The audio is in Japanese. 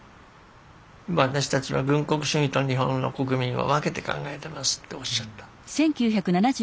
「私たちは軍国主義と日本の国民は分けて考えてます」っておっしゃったの。